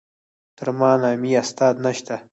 تر ما نامي استاد نشته.